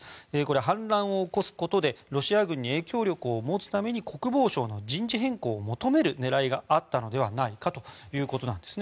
反乱を起こすことでロシア軍に影響力を持つために国防省の人事変更を求める狙いがあったのではないかということです。